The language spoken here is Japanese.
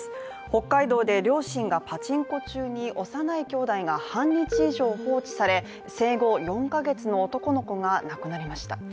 北海道で両親がパチンコ中に幼い兄弟が半日以上放置され生後４カ月の男の子が亡くなりました。